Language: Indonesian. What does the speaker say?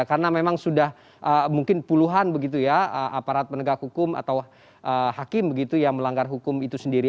karena memang sudah mungkin puluhan begitu ya aparat penegak hukum atau hakim yang melanggar hukum itu sendiri